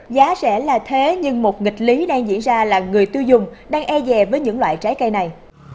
giá sẽ là thế nhưng một nghịch lý đang diễn ra là người tiêu dùng đang e dè với những loại trái cây này